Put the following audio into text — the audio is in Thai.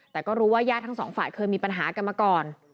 แต่ก็รู้ว่าญาติทั้งสองฝ่ายเคยมีปัญหากันมาก่อน